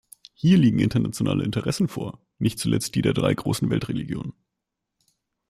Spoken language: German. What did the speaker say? Hier liegen internationale Interessen vor, nicht zuletzt die der drei großen Weltreligionen.